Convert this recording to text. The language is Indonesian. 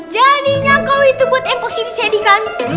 jadinya kau itu buat yang positif jadi kan